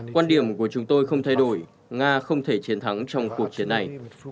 quan điểm của chúng tôi không thay đổi nga không thể chiến thắng trong cuộc chiến này